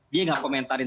dia tidak komentari